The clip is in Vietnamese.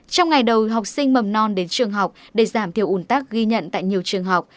trong ngày đầu học sinh mầm non đến trường học để giảm thiểu ủn tắc ghi nhận tại nhiều trường học